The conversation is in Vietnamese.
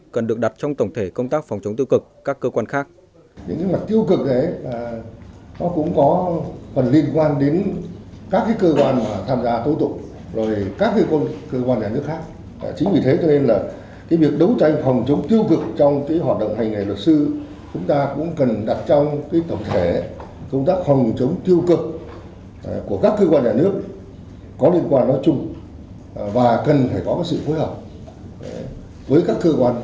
cần được đặt trong tổng thể công tác phòng chống tiêu cực các cơ quan khác